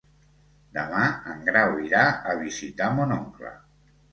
Demà en Grau irà a visitar mon oncle.